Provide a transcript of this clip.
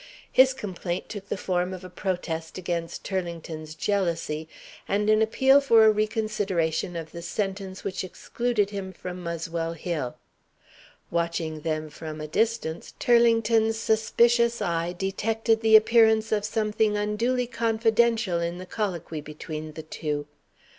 His complaint took the form of a protest against Turlington's jealousy, and an appeal for a reconsideration of the sentence which excluded him from Muswell Hill. Watching them from a distance, Turlington's suspicious eye detected the appearance of something unduly confidential in the colloquy between the two.